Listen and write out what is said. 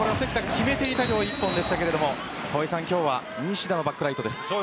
決めていった一本ですが今日は西田のバッグライトです。